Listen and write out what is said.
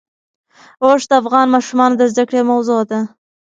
اوښ د افغان ماشومانو د زده کړې یوه موضوع ده.